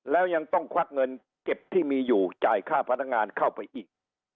แล้วยังต้องควักเงินเก็บที่มีอยู่จ่ายค่าพนักงานเข้าไปอีก